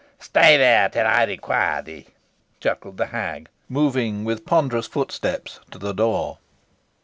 "Stay there till I require thee," chuckled the hag, moving, with ponderous footsteps, to the door.